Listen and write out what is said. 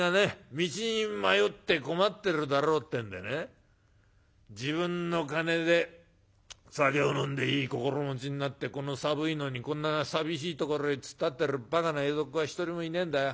道に迷って困ってるだろうってんでね自分の金で酒を飲んでいい心持ちになってこの寒いのにこんな寂しいところへ突っ立ってるばかな江戸っ子は一人もいねえんだよ。